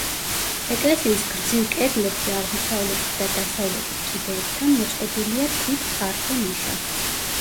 ეკლესიის გრძივ კედლებზე, აღმოსავლეთით და დასავლეთით კიდეებთან, მოწყობილია თით, ფართო ნიშა.